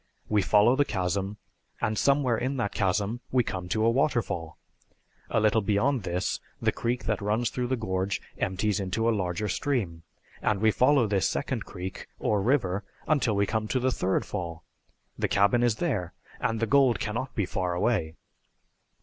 We follow the chasm, and somewhere in that chasm we come to a waterfall. A little beyond this the creek that runs through the gorge empties into a larger stream, and we follow this second creek or river until we come to the third fall. The cabin is there, and the gold can not be far away."